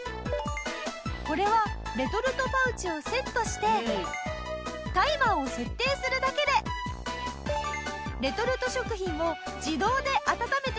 これはレトルトパウチをセットしてタイマーを設定するだけでレトルト食品を自動で温めてくれる便利アイテム。